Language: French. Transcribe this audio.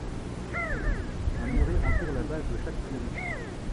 Un muret entoure la base de chaque tumulus.